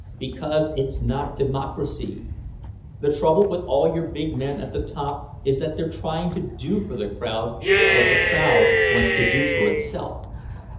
Because it's not democracy. The trouble with all your big men at the top is that they're trying to do for the crowd what the crowd wants to do for itself.